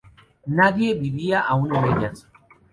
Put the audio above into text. Nadie vivía aún en ellas.